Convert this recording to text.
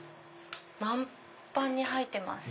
満杯に入ってます。